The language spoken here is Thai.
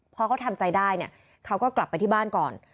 พอเขาทำใจได้เนี่ยเขาก็กลับไปที่บ้านก่อน